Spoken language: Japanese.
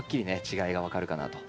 違いが分かるかなと。